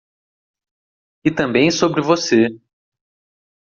E também sobre você!